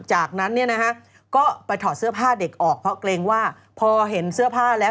จากนั้นเนี่ยนะฮะก็ไปถอดเสื้อผ้าเด็กออกเพราะเกรงว่าพอเห็นเสื้อผ้าแล้ว